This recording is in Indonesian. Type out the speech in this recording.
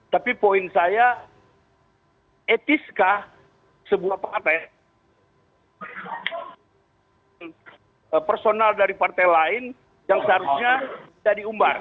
tapi poin saya etiskah sebuah partai personal dari partai lain yang seharusnya jadi umbar